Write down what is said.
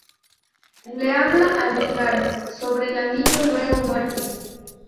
Le habla a Lingard sobre el anillo, luego muere.